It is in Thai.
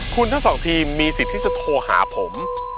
คุณทั้งสองทีมมีสิทธิ์ที่จะโทรหาผม